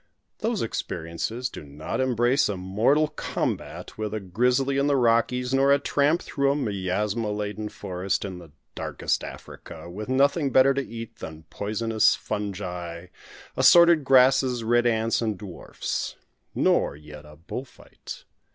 Those experiences do not embrace a mortal combat with a "grizzly" in the Rockies, nor a tramp through a miasma laden forest in Darkest Africa, with nothing better to eat than poisonous fungi, assorted grasses, red ants, and dwarfs; nor yet a bull fight.